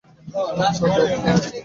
আচ্ছা, বব।